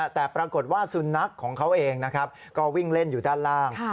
แต่ปรากฏว่าสุนัขของเขาเองนะครับก็วิ่งเล่นอยู่ด้านล่าง